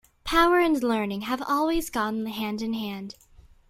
Power and learning have always gone hand in hand.